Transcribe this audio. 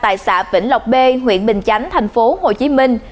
tại xã vĩnh lộc b huyện bình chánh thành phố hồ chí minh